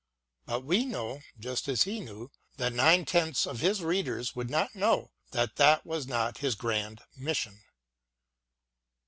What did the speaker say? But we know, just as he knew, that nine tenths of his readers would not know that that was not his grand mission.